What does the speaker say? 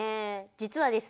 実はですね